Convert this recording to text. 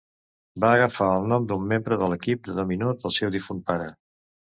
Va agafar el nom d'un membre de l'equip de dòmino del seu difunt pare.